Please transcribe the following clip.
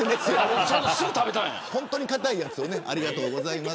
本当に堅いやつをありがとうございます。